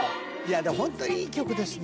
でも本当にいい曲ですね。